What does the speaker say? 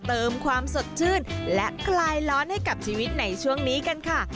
เติมความสดชื่นและคลายร้อนให้กับชีวิตในช่วงนี้กันค่ะ